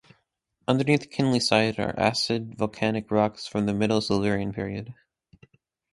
Underneath Kinlyside are acid volcanic rocks from the middle Silurian period.